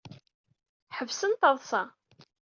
Ḥebsen taḍsa.